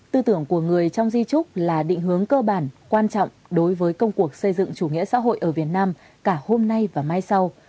tư tưởng của người trong di trúc là định hướng cơ bản quan trọng đối với công cuộc xây dựng chủ nghĩa xã hội ở việt nam cả hôm nay và mai sau